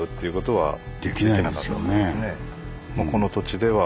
はい。